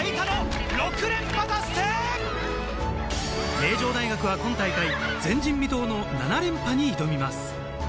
名城大学は今大会、前人未踏の７連覇に挑みます。